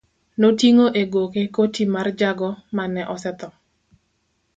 Noting'o e goke koti mar jago mane osetho.